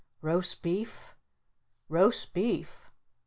'Roast Beef'? 'Roast Beef'?